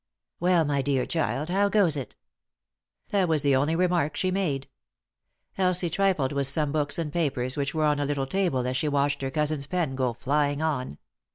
" Well, my dear child, how goes it ?" That was the only remark she made. Elsie trifled with some books and papers which were on a little table as she watched her cousin's pen go flying on.